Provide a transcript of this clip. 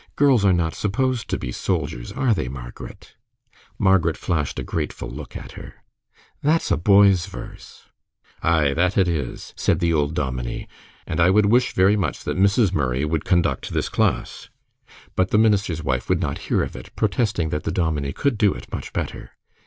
"Girls are not supposed to be soldiers, are they, Margaret?" Margaret flashed a grateful look at her. "That's a boy's verse." "Ay! that it is," said the old dominie; "and I would wish very much that Mrs. Murray would conduct this class." But the minister's wife would not hear of it, protesting that the dominie could do it much better.